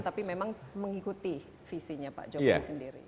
tapi memang mengikuti visinya pak jokowi sendiri